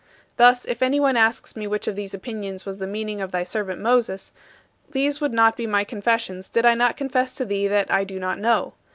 Thus, if anyone asks me which of these opinions was the meaning of thy servant Moses, these would not be my confessions did I not confess to thee that I do not know.